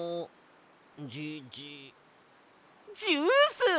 ジュース！